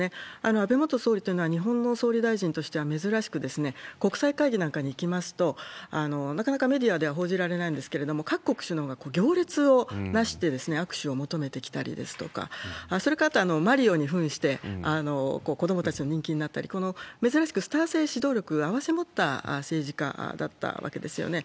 安倍元総理というのは、日本の総理大臣としては珍しく、国際会議なんかに行きますと、なかなかメディアでは報じられないんですけれども、各国首脳が行列を成して握手を求めてきたりですとか、それからあとは、マリオにふんして子どもたちの人気になったり、珍しくスター性、指導力を併せ持った政治家だったわけですよね。